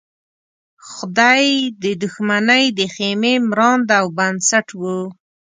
خدۍ د دښمنۍ د خېمې مرانده او بنسټ وه.